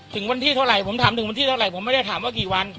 ถึงวันที่เท่าไหร่ผมถามถึงวันที่เท่าไหร่ผมไม่ได้ถามว่ากี่วัน